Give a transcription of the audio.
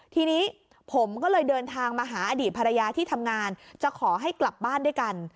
ทีนี้ผมก็เลยเดินทางมาหาอดีตภรรยาที่ทำงานจะขอให้กลับบ้านด้วยกัน